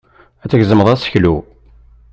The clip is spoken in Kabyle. Ad tgezmeḍ aseklu.